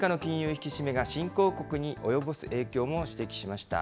引き締めが新興国に及ぼす影響も指摘しました。